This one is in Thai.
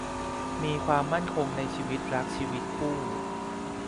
มีความมั่นคงในชีวิตรักชีวิตคู่